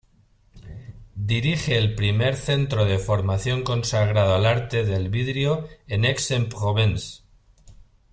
Dirige el primer centro de formación consagrado al arte del vidrio en Aix-en-Provence.